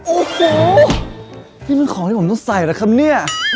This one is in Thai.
โอ้โหนี่มันของที่ผมต้องใส่นะครับเนี่ย